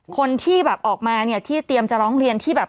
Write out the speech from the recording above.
คนที่แบบออกมาเนี่ยที่เตรียมจะร้องเรียนที่แบบ